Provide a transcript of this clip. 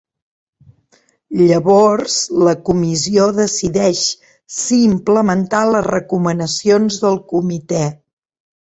Llavors, la comissió decideix si implementar les recomanacions del comitè.